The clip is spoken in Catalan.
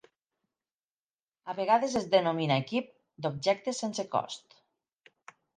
A vegades es denomina equip d'objectes sense cost.